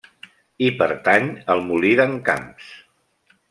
Hi pertany el Molí d'en Camps.